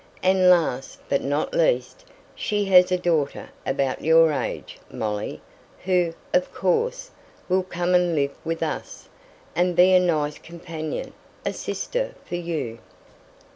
And last, but not least, she has a daughter about your age, Molly who, of course, will come and live with us, and be a nice companion a sister for you."